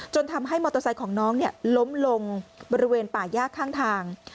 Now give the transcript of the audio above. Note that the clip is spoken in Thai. ทำให้มอเตอร์ไซค์ของน้องล้มลงบริเวณป่าย่าข้างทาง